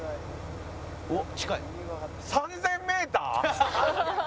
３０００メーター！？